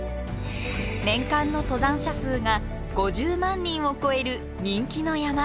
年間の登山者数が５０万人を超える人気の山。